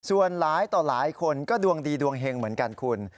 ส่วนหลายต่อหลายคนก็ดวงดีดวงเห็งเหมือนกันคุณ